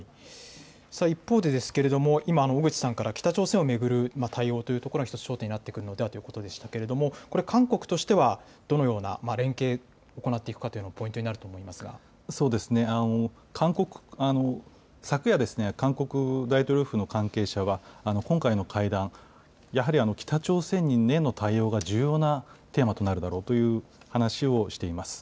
一方でですけれども、今、小口さんから北朝鮮を巡る対応というところが一つ、焦点になってくるのではということでしたけれども、これ韓国としては、どのような連携、行っていくかというのはポイントになると昨夜ですね、韓国大統領府の関係者は、今回の会談、やはり北朝鮮への対応が重要なテーマとなるだろうという話をしています。